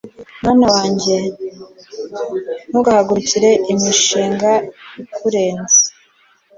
mwana wanjye, ntugahagurukire imishinga ikurenze